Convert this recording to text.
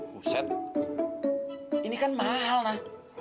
buset ini kan mahal nah